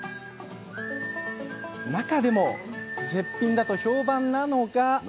中でも絶品だと評判なのがはい。